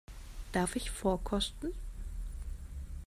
Darf ich vorkosten?